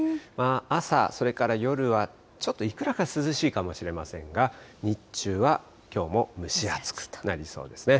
朝、それから夜は、ちょっといくらか涼しいかもしれませんが、日中はきょうも蒸し暑くなりそうですね。